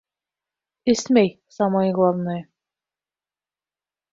Эсмәй, самое главное.